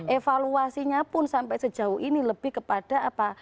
evaluasinya pun sampai sejauh ini lebih kepada apa